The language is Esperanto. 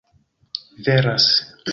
veras